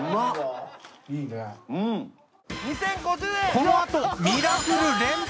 このあとミラクル連発！